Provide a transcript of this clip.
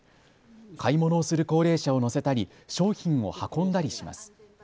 買い物をする高齢者を乗せたり商品を運んだりします。